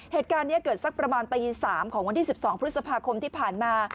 เหตุการณ์นี้เกิดสักประมาณตี๓ของวันที่๑๒พฤษภาคมที่ผ่านมา